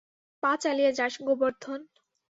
পা চালিয়ে যাস গোবর্ধন।